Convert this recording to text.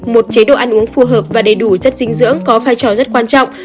một chế độ ăn uống phù hợp và đầy đủ chất dinh dưỡng có vai trò rất quan trọng